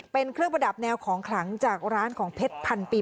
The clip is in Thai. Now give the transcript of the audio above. เป็นเครื่องประดับแนวของขลังจากร้านของเพชรพันปี